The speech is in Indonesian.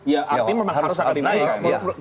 ya artinya memang harus kenaikan